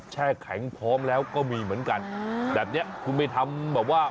แช่แข็งพร้อมแล้วก็มีเหมือนกันแบบนี้คุณไปทำแบบว่า